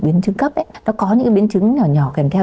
biến chứng cấp nó có những biến chứng nhỏ nhỏ kèm theo